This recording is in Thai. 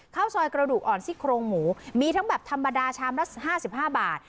ข้าวซอยกระดูกอ่อนซี่โครงหมูมีทั้งแบบธรรมดาชามละ๕๕บาท